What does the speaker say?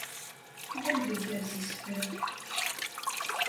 Ad am d-igerrez isefra